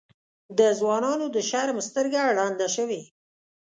د ځوانانو د شرم سترګه ړنده شوې.